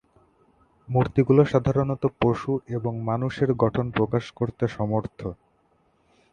মূর্তিগুলো সাধারণত পশু এবং মানুষের গঠন প্রকাশ করতে সমর্থ।